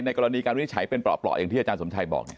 กรณีการวินิจฉัยเป็นเปราะอย่างที่อาจารย์สมชัยบอก